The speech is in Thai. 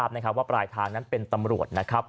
ดูที่ไม่ทราบว่าปลายทางนั้นเป็นตำรวจ